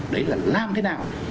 đấy là làm thế nào